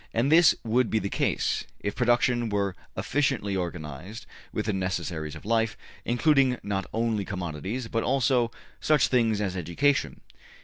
And this would be the case, if production were efficiently organized, with the necessaries of life, including not only commodities, but also such things as education.